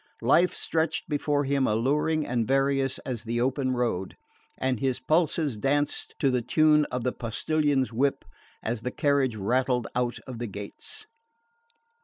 Life stretched before him alluring and various as the open road; and his pulses danced to the tune of the postillion's whip as the carriage rattled out of the gates.